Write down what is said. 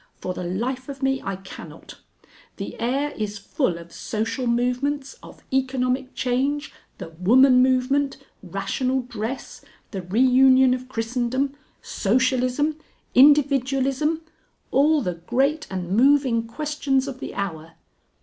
For the life of me I cannot. The air is full of Social Movements, of Economic change, the Woman Movement, Rational Dress, The Reunion of Christendom, Socialism, Individualism all the great and moving Questions of the Hour!